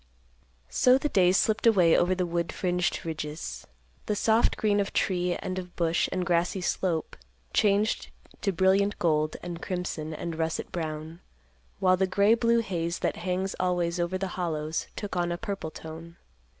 So the days slipped away over the wood fringed ridges. The soft green of tree, and of bush, and grassy slope changed to brilliant gold, and crimson, and russet brown, while the gray blue haze that hangs always over the hollows took on a purple tone.